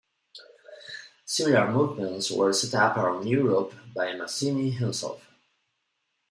Similar movements were set up around Europe by Mazzini himself.